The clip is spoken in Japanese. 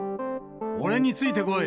俺についてこい。